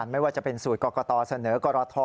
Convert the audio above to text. ไม่ว่าจะเป็นสูตรกรกตเสนอกรท